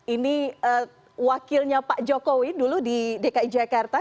ini wakilnya pak jokowi dulu di dki jakarta